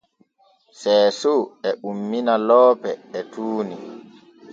Seeso e ummina loope e tuuni.